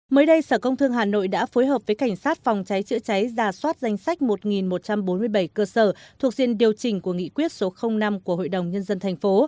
mới đây sở công thương hà nội đã phối hợp với cảnh sát phòng cháy chữa cháy giả soát danh sách một một trăm bốn mươi bảy cơ sở thuộc diện điều chỉnh của nghị quyết số năm của hội đồng nhân dân thành phố